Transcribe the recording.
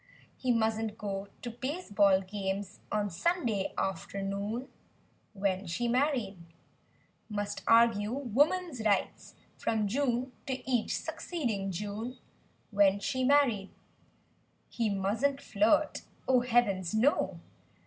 He musn't go to baseball games on Sunday after¬ noon— ' When she married; Must argue "woman's rights" from June to each succeeding June— When she married; He musn't flirt. Oh, heavens no!